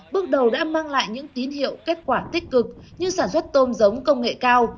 bước đầu đã mang lại những tín hiệu kết quả tích cực như sản xuất tôm giống công nghệ cao